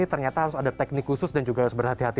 ternyata harus ada teknik khusus dan juga harus berhati hati